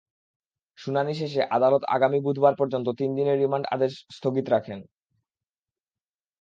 শুনানি শেষে আদালত আগামী বুধবার পর্যন্ত তিন দিনের রিমান্ড আদেশ স্থগিত রাখেন।